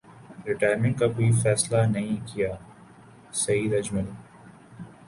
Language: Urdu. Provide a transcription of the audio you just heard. ریٹائر منٹ کا کوئی فیصلہ نہیں کیاسعید اجمل